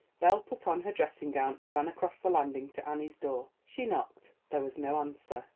Belle put on her dressing gown and ran across the landing to Annie's door. She knocked; there was no answer.